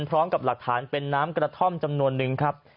พร้อมกับหลักฐานเป็นน้ำกระท่อมจำนวนนึงครับ